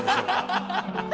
ハハハハ！